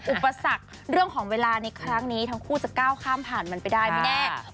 อุปสรรคเรื่องของเวลาในครั้งนี้ทั้งคู่จะก้าวข้ามผ่านมันไปได้ไม่แน่